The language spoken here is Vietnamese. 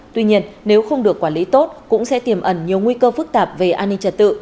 tuy nhiên nếu không được quản lý tốt cũng sẽ tiềm ẩn nhiều nguy cơ phức tạp về an ninh trật tự